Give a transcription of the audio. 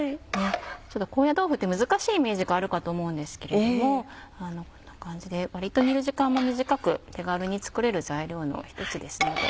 高野豆腐って難しいイメージがあるかと思うんですけれどもこんな感じで割と煮る時間も短く手軽に作れる材料の１つですので。